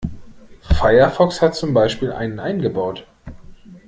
Firefox hat zum Beispiel einen eingebaut.